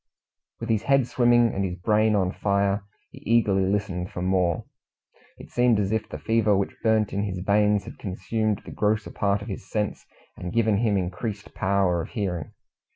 With his head swimming, and his brain on fire, he eagerly listened for more. It seemed as if the fever which burnt in his veins had consumed the grosser part of his sense, and given him increased power of hearing.